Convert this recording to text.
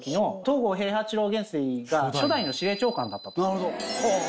なるほど。